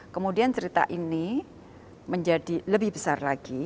kemudian cerita ini menjadi lebih besar lagi